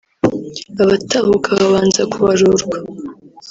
Abatahuka babanza kubarurwa